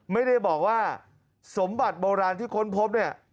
ไม่ได้บอกว่าสมบัติโบราณที่ค้นพบเนี่ย